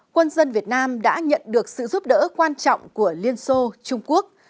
quân dân việt nam đã nhận được sự giúp đỡ quan trọng của liên xô trung quốc